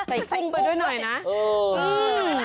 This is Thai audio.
ใส่กุ้งไปด้วยหน่อยนะเออเออเออ